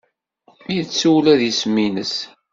Yettu ula d isem-nnes.